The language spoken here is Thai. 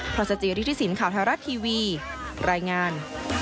พระศจริษฐศิลป์ข่าวธารัททีวีรายงาน